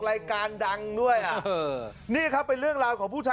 แล้วก็มีเลือกปากคอล่ะ